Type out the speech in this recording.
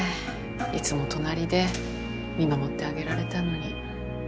いつも隣で見守ってあげられたのに。